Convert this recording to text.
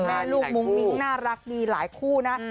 แม่ลูกมุ้งมิ้งน่ารักดีหลายคู่นะ